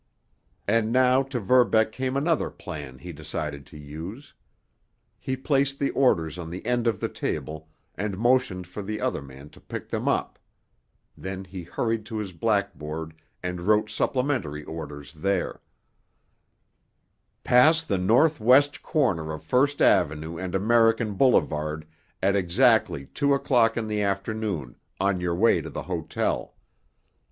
And now to Verbeck came another plan he decided to use. He placed the orders on the end of the table and motioned for the other man to pick them up; then he hurried to his blackboard and wrote supplementary orders there: Pass the northwest corner of First Avenue and American Boulevard at exactly two o'clock in afternoon on your way to the hotel.